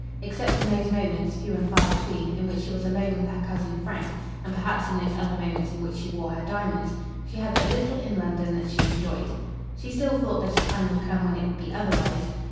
Except in those moments, few and far between, in which she was alone with her cousin Frank, and perhaps in those other moments in which she wore her diamonds, she had but little in London that she enjoyed. She still thought that a time would come when it would be otherwise.